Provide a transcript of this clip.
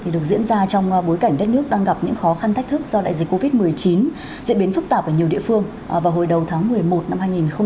dễ biến phức tạp ở nhiều địa phương và hồi đầu tháng một mươi một năm hai nghìn hai mươi hai